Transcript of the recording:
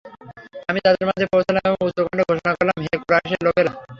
আমি তাদের মাঝে পৌঁছলাম এবং উচ্চকণ্ঠে ঘোষণা করলাম, হে কুরাইশের লোকেরা!